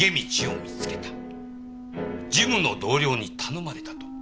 ジムの同僚に頼まれたと。